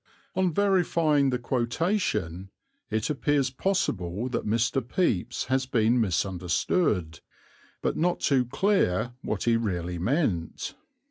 '" On verifying the quotation it appears possible that Mr. Pepys has been misunderstood, but not too clear what he really meant.